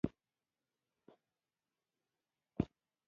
په ښه شاعر متن کې مفرد مذکر نومونه پیدا کړي.